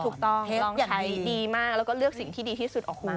ลองใช้ดีมากแล้วก็เลือกสิ่งที่ดีที่สุด